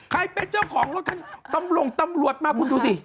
ใครเป็นเจ้าของรถท่านตำรวจมาคุณดูสิ